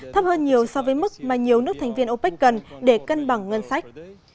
thấp hơn nhiều so với mức mà nhiều nước thành viên opec cần để cân bằng ngân sách